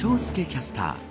キャスター。